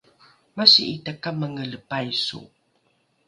masi’i takamangele paiso